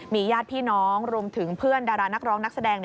ญาติพี่น้องรวมถึงเพื่อนดารานักร้องนักแสดง